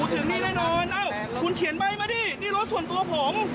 จะยอมรับคุณเขียนใบมาดิครับ